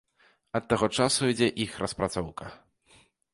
Ад таго часу ідзе іх распрацоўка.